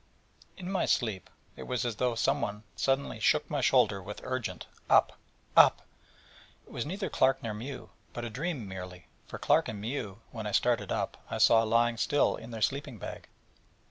In my sleep it was as though someone suddenly shook my shoulder with urgent 'Up! up!' It was neither Clark nor Mew, but a dream merely: for Clark and Mew, when I started up, I saw lying still in their sleeping bag.